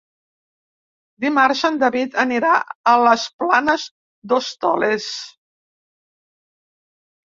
Dimarts en David anirà a les Planes d'Hostoles.